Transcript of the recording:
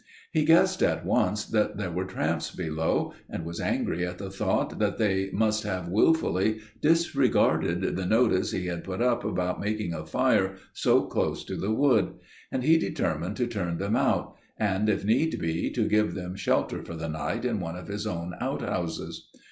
He guessed at once that there were tramps below, and was angry at the thought that they must have wilfully disregarded the notice he had put up about making a fire so close to the wood: and he determined to turn them out, and, if need be, to give them shelter for the night in one of his own outhouses.